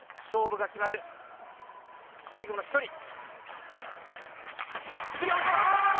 勝負が決まる、最後の１人。